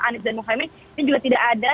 anies dan muhaymin ini juga tidak ada